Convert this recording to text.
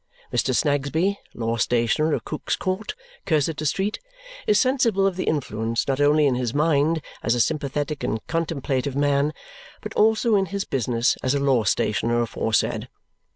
Mr. Snagsby, law stationer of Cook's Court, Cursitor Street, is sensible of the influence not only in his mind as a sympathetic and contemplative man, but also in his business as a law stationer aforesaid.